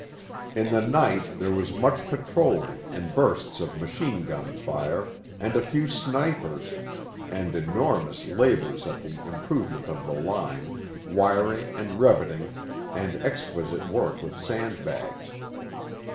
In the night there was much patrolling and bursts of machine gun fire, and a few snipers, and enormous labours at the 'improvement of the line,' wiring and revetting, and exquisite work with sand bags.